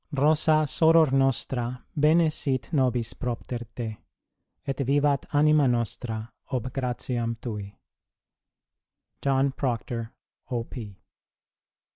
Rosa soror nostra bene sit nobis propter te, Et vivat anima nostra ob gratiam tui. JOHN PROCTER, O.P.